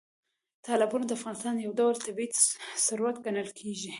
تالابونه د افغانستان یو ډول طبیعي ثروت ګڼل کېږي.